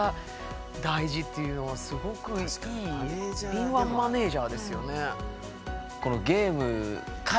敏腕マネージャーですよね。